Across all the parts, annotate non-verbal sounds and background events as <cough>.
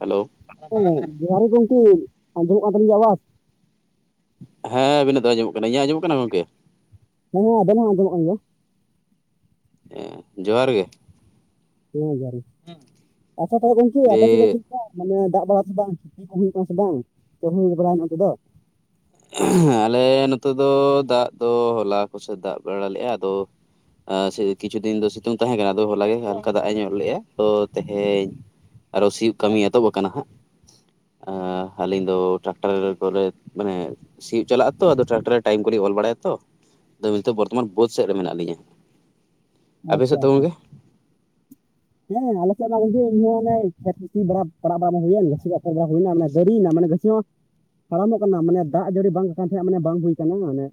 Hello ᱡᱚᱦᱟᱨ ᱜᱮ ᱜᱚᱝᱠᱮ ᱟᱸᱡᱚᱢᱚᱜ ᱠᱟᱱ ᱛᱟᱞᱤᱧ ᱜᱤᱭᱟ ᱟᱣᱟᱥ? ᱦᱮᱸ ᱚᱵᱤᱱᱟ ᱫᱚ ᱟᱸᱚᱢᱚᱜ ᱠᱟᱱᱟ ᱤᱧᱟᱜᱼᱟ ᱟᱸᱡᱚᱢᱚᱜ ᱠᱟᱱᱟ ᱜᱚᱝᱠᱮ? ᱦᱮᱸ ᱟᱵᱮᱱᱟᱜ ᱦᱚᱸ ᱟᱸᱡᱚᱢᱚᱜ ᱠᱟᱱ ᱜᱮᱭᱟ᱾ ᱦᱮᱸ, ᱡᱚᱦᱟᱨ ᱜᱮ! ᱦᱩᱸ ᱡᱚᱦᱟᱨ ᱜᱮ, ᱟᱪᱪᱷᱟ ᱛᱟᱦᱮᱞᱮ ᱜᱚᱝᱠᱮ ᱟᱯᱮ ᱥᱮᱫ ᱫᱚ ᱫᱤᱭᱮ ᱪᱤᱫ ᱞᱮᱠᱟ ᱢᱟᱱᱮ ᱫᱟᱜ ᱵᱟᱲᱟ ᱪᱮ ᱵᱟᱝ ᱪᱷᱩᱴᱤ ᱠᱚ ᱦᱩᱭᱩᱜ ᱠᱟᱱᱟ ᱥᱮ ᱵᱟᱝ ᱪᱮ <unintelligible> ᱵᱟᱲᱟ ᱧᱚᱜ ᱠᱮᱫᱟᱭ? <unintelligible> ᱟᱞᱮ ᱱᱚᱛᱮ ᱫᱚ ᱫᱟᱜ ᱫᱚ ᱦᱚᱞᱟ ᱠᱚᱥᱮᱫ ᱫᱟᱜ ᱵᱟᱲᱟ ᱞᱮᱜ-ᱟ ᱟᱫᱚ ᱟ ᱥᱮ ᱠᱤᱪᱷᱩ ᱫᱤᱱ ᱫᱚ ᱥᱤᱛᱩᱝ ᱛᱟᱦᱮᱸ ᱠᱟᱱᱟ ᱟᱫᱚ ᱦᱚᱞᱟ ᱜᱮ ᱦᱟᱞᱠᱟ ᱫᱟᱜ ᱮ ᱧᱩᱨ ᱞᱮᱜ-ᱟ, ᱛᱚ ᱛᱮᱦᱮᱧ ᱟᱫᱚ ᱥᱤᱭᱩᱜ ᱠᱟᱹᱢᱤ ᱮᱛᱚᱦᱚᱵ ᱟᱠᱟᱱᱟ ᱦᱟᱸᱜ ᱾ ᱟᱸᱻ ᱦᱟᱹᱞᱤᱧ ᱫᱚ ᱴᱟᱨᱟᱠᱴᱟᱨᱮ ᱠᱚᱨᱮᱫ ᱢᱟᱱᱮ ᱥᱤᱭᱩᱜ ᱪᱟᱞᱟᱜᱼᱟ ᱛᱚ ᱟᱫᱚ ᱴᱟᱨᱟᱠᱴᱟᱨ ᱨᱮᱭᱟᱜ ᱴᱟᱹᱭᱤᱢ ᱠᱚᱞᱤᱧ ᱚᱞ ᱵᱟᱲᱟᱭᱟ ᱛᱚ, ᱟᱫᱚ ᱱᱤᱛᱚᱜ ᱵᱚᱨᱛᱚᱢᱟᱱ ᱵᱟᱹᱫᱽ ᱥᱮᱫ ᱨᱮ ᱢᱮᱱᱟᱜ ᱞᱤᱧᱟᱹ ᱦᱟᱸᱜ ᱾ ᱟᱪᱪᱷᱟ ᱟᱪᱪᱷᱟ᱾ ᱦᱮᱸ ᱟᱞᱮ ᱥᱮᱫ ᱢᱟ, ᱩᱱ ᱡᱷᱚᱜ ᱤᱭᱟᱹ ᱭᱮᱱᱟᱭ <unintelligible> ᱵᱟᱲᱟᱯ ᱵᱟᱭ ᱦᱩᱭ ᱮᱱ ᱱᱟᱥᱮ ᱜᱮ ᱟᱯᱷᱚᱨ ᱵᱟᱲᱟ ᱦᱩᱭ ᱮᱱᱟ, ᱚᱱᱟ ᱢᱟᱱᱮ ᱜᱟᱹᱰᱤ ᱭᱮᱱᱟ ᱢᱟᱱᱮ ᱜᱟᱹᱪᱷ- ᱡᱟᱭᱦᱩᱠ ᱟᱨᱚᱢᱵᱷᱼᱚᱜ ᱠᱟᱱᱟ ᱢᱟᱱᱮ ᱫᱟᱜ ᱡᱟᱹᱲᱤ ᱵᱟᱝ ᱠᱟᱱ ᱛᱟᱦᱮᱸᱱ ᱛᱟᱦᱮᱸᱜ ᱢᱟᱱᱮ ᱵᱟᱝ ᱦᱩᱭ ᱠᱟᱱᱟ ᱢᱟᱱᱮ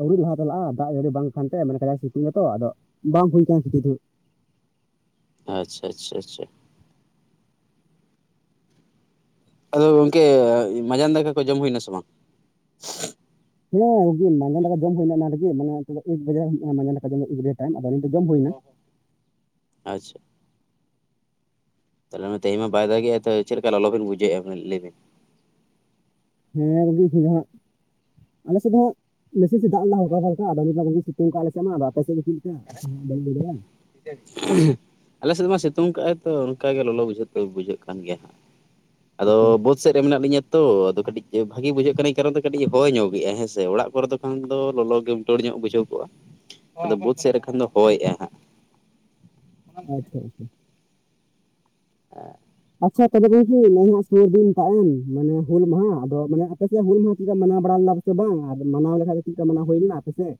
ᱟᱹᱣᱨᱤ ᱨᱟᱦᱟ ᱪᱟᱞᱟᱜ-ᱟ ᱫᱟᱜ ᱡᱟᱹᱲᱤ ᱵᱟᱝ ᱠᱷᱟᱱ ᱛᱮ ᱟᱫᱚ ᱱᱚᱜᱼᱚᱼᱱᱳᱠᱟ ᱥᱤᱛᱩᱝ ᱟᱠᱟᱫᱟ ᱛᱚ, ᱟᱫᱚ ᱵᱟᱝ ᱦᱩᱭ ᱠᱟᱱᱟ ᱠᱷᱟᱹᱛᱤᱨ ᱛᱮ ᱟᱪᱪᱷᱟ ᱟᱪᱪᱷᱟ ᱟᱪᱪᱷᱟ᱾ ᱟᱫᱚ ᱜᱚᱝᱠᱮ ᱮᱸ ᱢᱟᱸᱡᱟᱱ ᱫᱟᱠᱟ ᱠᱚ ᱡᱚᱢ ᱦᱩᱭ ᱮᱱᱟ ᱥᱮ ᱵᱟᱝ? ᱦᱮᱸ ᱜᱚᱝᱠᱮ ᱢᱟᱸᱡᱟᱱ ᱫᱟᱠᱟ ᱡᱚᱢ ᱦᱩᱭ ᱮᱱᱟ ᱮᱱᱟᱝ ᱨᱮᱜᱮ ᱢᱟᱱᱮ ᱱᱤᱛᱚᱜ ᱫᱚ ᱮᱠ ᱵᱟᱡᱟ ᱦᱩᱭᱩᱜ ᱠᱟᱱᱟ ᱱᱷᱟᱸᱜ ᱢᱟᱸᱡᱟᱱ ᱫᱟᱠᱟ ᱡᱚᱢ ᱮᱠ ᱰᱮᱲ᱾ ᱴᱟᱹᱭᱤᱢ ᱟᱫᱚ ᱟᱹᱞᱤᱧ ᱫᱚ ᱡᱚᱢ ᱦᱩᱭ ᱮᱱᱟ᱾ ᱟᱪᱪᱷᱟ᱾ ᱛᱟᱦᱚᱞᱮ ᱚᱱᱮ ᱛᱮᱦᱮᱧ ᱢᱟ ᱵᱟᱭ ᱫᱟᱜᱽ ᱮᱫᱼᱟ ᱛᱚ ᱪᱮᱫ ᱞᱮᱠᱟ ᱞᱚᱞᱚ ᱵᱤᱱ ᱵᱩᱡᱷᱟᱹᱣᱮᱜ-ᱟ ᱵᱤᱱ ᱞᱟᱹᱭ ᱵᱤᱱ? ᱦᱮᱸ ᱵᱩᱡᱷᱟᱹᱜ ᱥᱮᱱ ᱫᱚ ᱦᱟᱸᱜ ᱟᱞᱮ ᱥᱮᱫ ᱦᱚᱸ ᱦᱟᱸᱜ ᱵᱮᱥᱤ ᱵᱮᱥᱤ ᱫᱟᱜ ᱞᱟᱦᱟ ᱮᱫᱟ ᱯᱟᱞᱮ ᱠᱷᱟᱱ ᱟᱫᱚ ᱱᱤᱛ ᱢᱟ ᱫᱚᱢᱮ ᱥᱤᱛᱩᱝ ᱟᱠᱟᱜ ᱟᱭ ᱟᱞᱮ ᱥᱮᱜ ᱢᱟ, ᱟᱫᱚ ᱟᱯᱮ ᱥᱮᱫ ᱜᱮ ᱪᱤ ᱦᱟᱸᱜ ᱦᱩᱢ ᱫᱟᱹᱞ ᱫᱟᱲᱮᱜ-ᱟᱢ? ᱟᱞᱮ ᱥᱮᱫ ᱢᱟ ᱥᱤᱛᱩᱝ ᱠᱟᱜ-ᱟᱭ ᱛᱚ ᱚᱱᱠᱟ ᱜᱮ ᱞᱚᱞᱚ ᱵᱩᱡᱷᱟᱹᱫ ᱛᱟᱸᱠ ᱵᱩᱡᱷᱟᱹᱜ ᱠᱟᱱ ᱜᱮᱭᱟ ᱦᱟᱸᱜ᱾ <inaudible> ᱟᱫᱚ ᱵᱟᱹᱫᱽ ᱥᱮᱫ ᱨᱮ ᱢᱮᱱᱟᱜ ᱞᱤᱧᱟᱹ ᱛᱚ ᱟᱫᱚ ᱠᱟᱹᱴᱤᱡ ᱮ ᱵᱷᱟᱹᱜᱤ ᱵᱩᱡᱷᱟᱹᱜ ᱠᱟᱱᱟᱭ ᱮᱭ ᱠᱟᱨᱚᱱ ᱛᱮ ᱠᱟᱹᱴᱤᱡ ᱦᱚᱭ ᱧᱚᱜ ᱮᱜ-ᱟᱭ ᱦᱮᱸᱥᱮ ᱚᱲᱟᱜ ᱠᱚᱨᱮ ᱫᱚ ᱠᱷᱟᱱ ᱫᱚ ᱞᱚᱞᱚ ᱜᱮ ᱦᱩᱱᱴᱟᱹᱲ ᱧᱚᱜ ᱵᱩᱡᱷᱟᱹᱣ ᱠᱚᱜ-ᱟ, ᱟᱫᱚ ᱵᱟᱹᱫᱽ ᱥᱮᱫ ᱨᱮ ᱠᱷᱟᱱ ᱫᱚ ᱦᱚᱭᱼᱮᱜ-ᱟᱭ ᱦᱟᱸᱜ᱾ ᱟᱪᱪᱷᱟ ᱟᱪᱪᱷᱟ᱾ ᱟᱜ ᱟᱪᱪᱷᱟ ᱛᱚᱵᱮ ᱜᱚᱝᱠᱮ ᱱᱚᱜᱼᱦᱟᱸᱜ ᱥᱩᱨ ᱫᱤᱱ ᱴᱟᱜ ᱭᱤᱢ ᱢᱟᱱᱮ ᱦᱩᱞ ᱢᱟᱦᱟ ᱟᱫᱚ ᱢᱟᱱᱮ ᱟᱵᱮ ᱱᱟᱜ ᱠᱟᱛᱷᱟ ᱟᱫᱚ ᱦᱩᱞ ᱢᱟᱦᱟ ᱪᱮᱫ ᱢᱟᱱᱟᱣ ᱵᱟᱲᱟ ᱞᱮᱫᱟ ᱥᱮ ᱵᱟᱝ ᱟᱫᱚ ᱢᱟᱱᱟᱣ ᱞᱮᱠᱷᱟᱡ ᱫᱚ ᱪᱮᱫ ᱠᱟ ᱢᱟᱱᱟᱣ ᱦᱩᱭ ᱞᱮᱱᱟ ᱟᱯᱮ ᱥᱮᱜ?